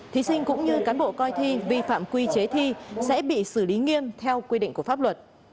thí sinh cũng như cán bộ coi thi vi phạm quy chế thi sẽ bị xử lý nghiêm theo quy định của pháp luật